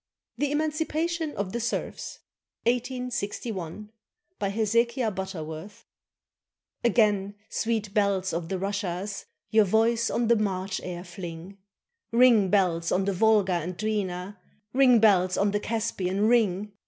THE EMANCIPATION OF THE SERFS BY HEZEKIAH BUTTERWORTH Again, sweet bells of the Russias, Your voice on the March air fling! Ring, bells, on the Volga and Dwina, Ring, bells, on the Caspian, ring!